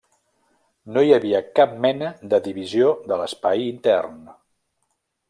No hi havia cap mena de divisió de l'espai intern.